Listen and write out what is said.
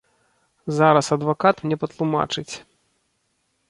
Зараз адвакат мне патлумачыць.